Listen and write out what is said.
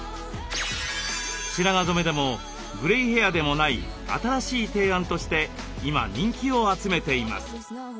白髪染めでもグレイヘアでもない新しい提案として今人気を集めています。